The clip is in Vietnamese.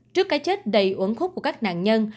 trước cái chết đầy uốn khúc của các nạn nhân